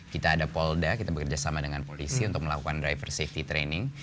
kita ada polda kita bekerja sama dengan polisi untuk melakukan driver safety training